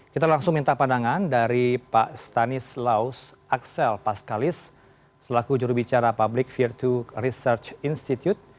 kita langsung minta pandangan dari pak stanislaus aksel paskalis selaku jurubicara publik virtu research institute